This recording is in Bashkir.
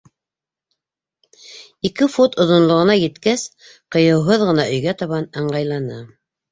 Ике фут оҙонлоғона еткәс, ҡыйыуһыҙ ғына өйгә табан ыңғайланы.